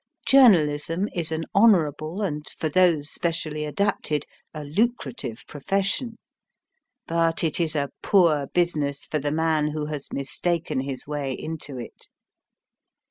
Journalism is an honourable and, for those specially adapted, a lucrative profession. But it is a poor business for the man who has mistaken his way into it.